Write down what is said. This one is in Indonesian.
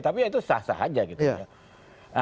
tapi ya itu sah sah aja gitu ya